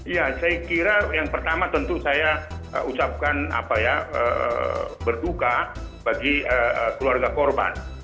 ya saya kira yang pertama tentu saya ucapkan berduka bagi keluarga korban